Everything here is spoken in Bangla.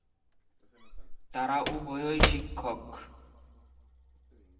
তারা উভয়ই শিক্ষক।